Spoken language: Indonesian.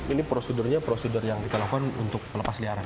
ini prosedurnya prosedur yang dilakukan untuk pelepas liaran